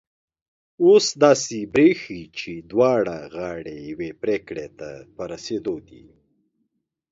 اوس داسي برېښي چي دواړه غاړې یوې پرېکړي ته په رسېدو دي